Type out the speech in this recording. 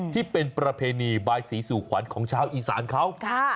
ที่เป็นประเพณีบายสีสู่ขวัญของชาวอีสานเขา